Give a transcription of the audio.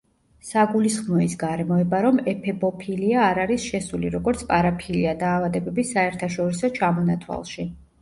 საგულისხმოა ის გარემოება, რომ ეფებოფილია არ არის შესული, როგორც პარაფილია დაავადებების საერთაშორისო ჩამონათვალში.